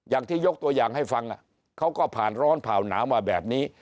อย่างที่ยกตัวอย่างให้ฟังเขาก็ผ่านร้อนผ่านหนาวมาแบบนี้